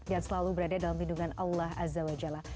dan selalu berada dalam pindungan allah azza wa jalla